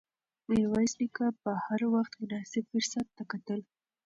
میرویس نیکه به هر وخت مناسب فرصت ته کتل.